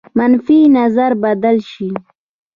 منفي نظر بدل شي.